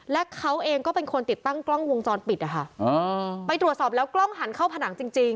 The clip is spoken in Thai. และเขาเองก็เป็นคนติดตั้งกล้องวงจรปิดนะคะไปตรวจสอบแล้วกล้องหันเข้าผนังจริงจริง